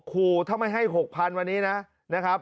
คูถ้าไม่ให้หกพันวันนี้นะนะครับ